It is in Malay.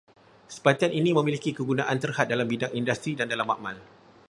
Sebatian ini memiliki kegunaan terhad dalam bidang industri dan dalam makmal